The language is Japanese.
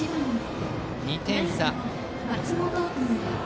２点差。